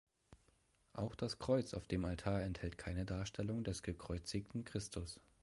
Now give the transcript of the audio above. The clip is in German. Auch das Kreuz auf dem Altar enthält keine Darstellung des gekreuzigten Christus.